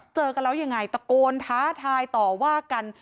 เจอกันแล้วยังไงตะโกนท้าทายต่อว่ากัน